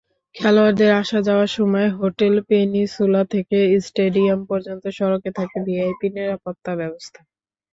খেলোয়াড়দের আসা-যাওয়ার সময় hotel peninsula থেকে স্টেডিয়াম পর্যন্ত সড়কে থাকে ভিভিআইপি নিরাপত্তাব্যবস্থা।